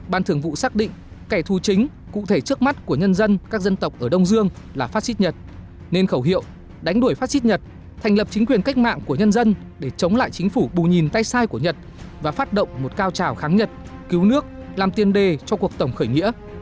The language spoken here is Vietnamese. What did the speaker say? ban thường vụ xác định kẻ thù chính cụ thể trước mắt của nhân dân các dân tộc ở đông dương là phát xít nhật nên khẩu hiệu đánh đuổi phát xít nhật thành lập chính quyền cách mạng của nhân dân để chống lại chính phủ bù nhìn tay sai của nhật và phát động một cao trào kháng nhật cứu nước làm tiền đề cho cuộc tổng khởi nghĩa